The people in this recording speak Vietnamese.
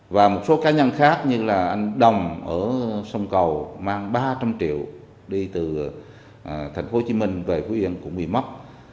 và một số cá nhân khác như là anh đồng ở sông cầu mang ba trăm linh triệu đi từ thành phố hồ chí minh về phú yên cũng bị mất